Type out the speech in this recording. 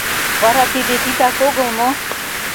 Вара тиде титак огыл мо?